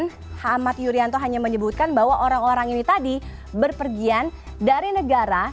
dan hamad yuryanto hanya menyebutkan bahwa orang orang ini tadi berpergian dari negara